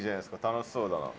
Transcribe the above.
楽しそうだな。